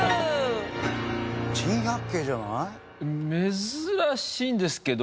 珍百景じゃない？